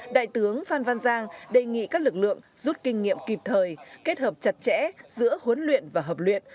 đại tướng phan văn giang đề nghị các lực lượng rút kinh nghiệm kịp thời kết hợp chặt chẽ giữa huấn luyện và hợp luyện